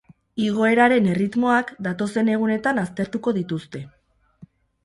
Igoeraren erritmoak datozen egunetan aztertuko dituzte.